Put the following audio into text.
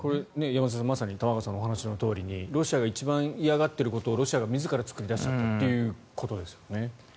山添さんまさに玉川さんの話のとおりロシアが一番嫌がっていることをロシアが自ら作り出しているということですよね。